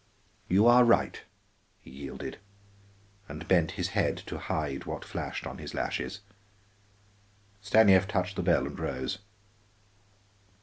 "You are right," he yielded, and bent his head to hide what flashed on his lashes. Stanief touched the bell and rose.